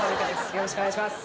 よろしくお願いします。